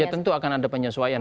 ya tentu akan ada penyesuaian